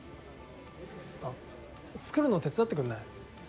あ作るの手伝ってくんない？